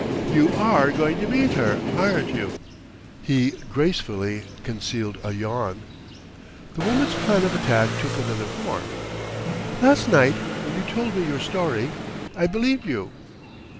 "You are going to meet her, aren't you?" He gracefully concealed a yawn. The woman's plan of attack took another form. "Last night, when you told me your story, I believed you."